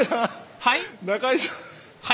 はい？